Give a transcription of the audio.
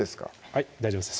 はい大丈夫です